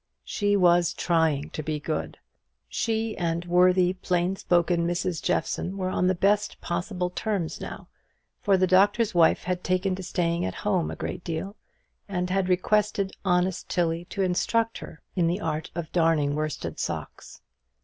She was trying to be good. She and worthy plain spoken Mrs. Jeffson were on the best possible terms now, for the Doctor's Wife had taken to staying at home a great deal, and had requested honest Tilly to instruct her in the art of darning worsted socks.